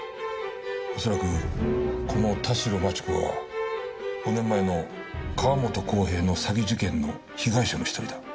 恐らくこの田代万智子は５年前の川本浩平の詐欺事件の被害者の１人だ。